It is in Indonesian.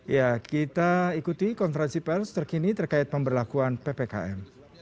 ya kita ikuti konferensi pers terkini terkait pemberlakuan ppkm